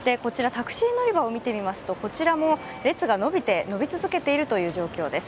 タクシー乗り場を見てみますとこちらも列が伸び続けているという状況です。